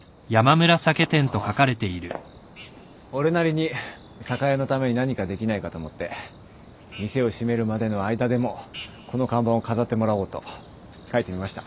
俺なりに酒屋のために何かできないかと思って店を閉めるまでの間でもこの看板を飾ってもらおうと書いてみました。